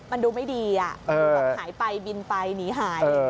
มันดูไม่ดีดูแบบหายไปบินไปหนีหาย